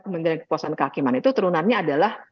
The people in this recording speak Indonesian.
kementerian kekuasaan kehakiman itu turunannya adalah